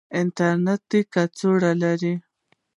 د انترنیټ کڅوړه لرئ؟